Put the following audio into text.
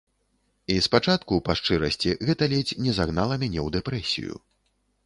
І спачатку, па шчырасці, гэта ледзь не загнала мяне ў дэпрэсію.